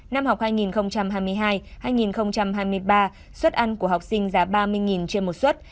năm học hai nghìn hai mươi hai hai nghìn hai mươi ba suất ăn của học sinh giá ba mươi trên một suất